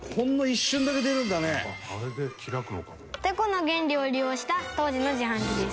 環子ちゃん：てこの原理を利用した、当時の自販機です。